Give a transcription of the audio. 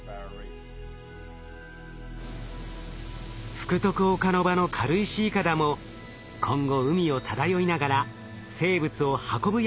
福徳岡ノ場の軽石いかだも今後海を漂いながら生物を運ぶ役割を果たすはず。